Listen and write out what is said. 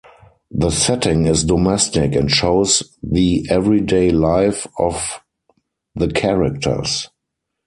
The setting is domestic and shows the everyday life of the characters.